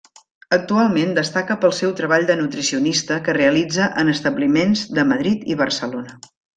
Actualment, destaca pel seu treball de nutricionista que realitza en establiments de Madrid i Barcelona.